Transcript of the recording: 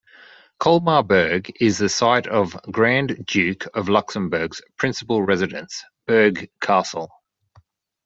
Colmar-Berg is the site of the Grand Duke of Luxembourg's principal residence, Berg Castle.